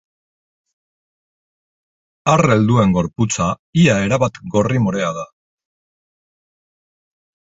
Ar helduen gorputza ia erabat gorri-morea da.